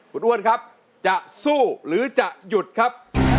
คุณอ้วนครับจะสู้หรือจะหยุดครับ